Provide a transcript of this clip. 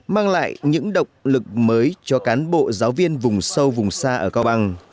mang lại những động lực mới cho cán bộ giáo viên vùng sâu vùng xa ở cao bằng